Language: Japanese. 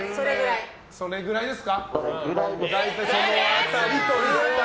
それぐらいです。